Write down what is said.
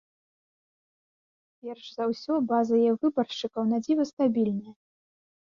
Перш за ўсё, база яе выбаршчыкаў на дзіва стабільная.